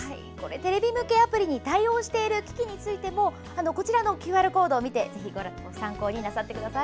テレビ向けアプリに対応している機器についてもこちらのＱＲコードを見てぜひご参考になさってください。